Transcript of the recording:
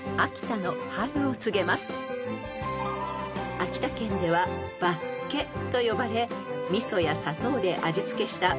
［秋田県では「ばっけ」と呼ばれ味噌や砂糖で味付けしたばっけ